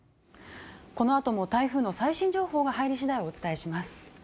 このあとも台風の最新情報入り次第お伝えします。